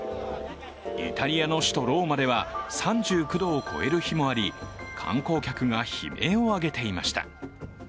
イタリアの首都ローマでは３９度を超える日もあり、観光客が悲鳴を上げていました。